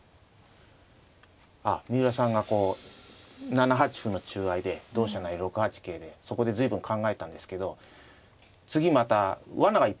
あっ三浦さんがこう７八歩の中合いで同飛車成６八桂でそこで随分考えたんですけど次またわながいっぱいあるってことですね。